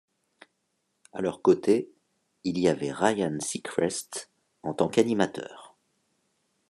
À leurs côtés, il y avait Ryan Seacrest en tant qu'animateur.